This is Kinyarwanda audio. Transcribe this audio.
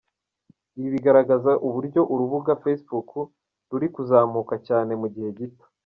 Ibi bigaragaza uburyo urubuga Facebook ruri kuzamuka cyane mu gihe gito.